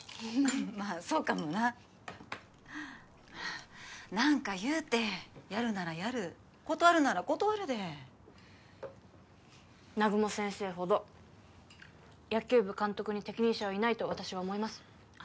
まあそうかもな何か言うてやるならやる断るなら断るで南雲先生ほど野球部監督に適任者はいないと私は思いますあっ